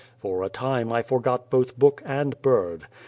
For a time I forgot both book and bird.